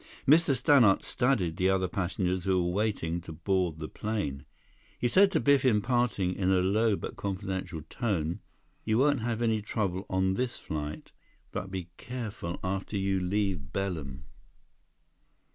Mr. Stannart studied the other passengers who were waiting to board the plane. He said to Biff in parting, in a low but confident tone: "You won't have any trouble on this flight. But be careful after you leave Belem!"